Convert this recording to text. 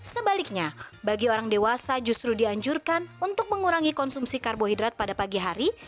sebaliknya bagi orang dewasa justru dianjurkan untuk mengurangi konsumsi karbohidrat pada pagi hari